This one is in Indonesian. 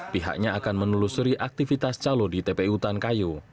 pihaknya akan menelusuri aktivitas calo di tpu tan kayu